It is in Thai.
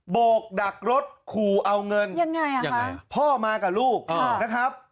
โกกดักรถขู่เอาเงินยังไงอ่ะยังไงพ่อมากับลูกนะครับ